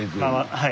はい。